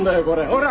ほら！